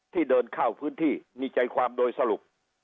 ที่เดินเข้าพื้นที่นิจจัยความโดยสรุป